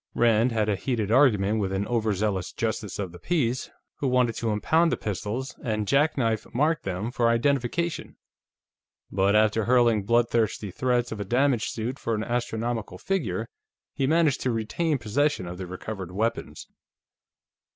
Rand had a heated argument with an over zealous Justice of the Peace, who wanted to impound the pistols and jackknife mark them for identification, but after hurling bloodthirsty threats of a damage suit for an astronomical figure, he managed to retain possession of the recovered weapons.